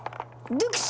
デュクシ！